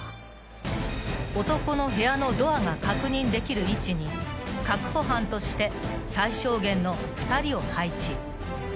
［男の部屋のドアが確認できる位置に確保班として最小限の２人を配置］